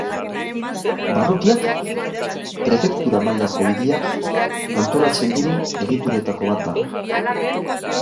Barrutiak, prefektura mailako hiriak antolatzen diren egituretako bat da.